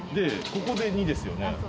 ここで２ですよね。